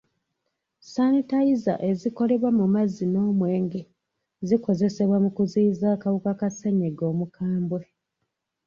Sanitayiza ezikolebwa mu mazzi n'omwenge zikozesebwa mu kuziyiza akawuka ka ssenyiga omukambwe.